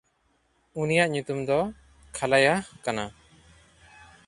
ᱩᱱᱤᱭᱟᱜ ᱧᱩᱛᱩᱢ ᱫᱚ ᱠᱷᱟᱞᱟᱭᱟᱦ ᱠᱟᱱᱟ᱾